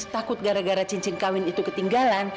takut gara gara cincin kawin itu ketinggalan